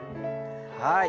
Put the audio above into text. はい。